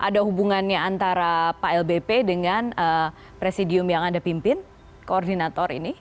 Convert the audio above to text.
ada hubungannya antara pak lbp dengan presidium yang anda pimpin koordinator ini